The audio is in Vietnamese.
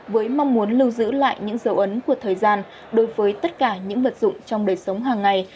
với mong muốn lưu giữ lại những dấu ấn của thời gian đối với tất cả những vật dụng trong đời sống hàng ngày